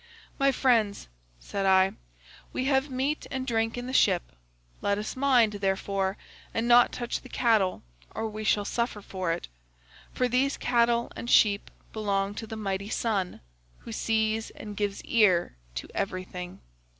"'My friends,' said I, 'we have meat and drink in the ship, let us mind, therefore, and not touch the cattle, or we shall suffer for it; for these cattle and sheep belong to the mighty sun, who sees and gives ear to everything.